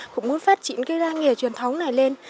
cũng muốn phát triển cái ra nghề truyền thống này lên